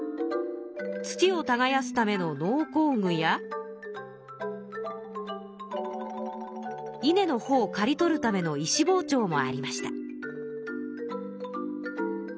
土を耕すための農耕具やいねのほをかり取るための石包丁もありました。